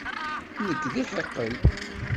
Nekk d iḥiqel.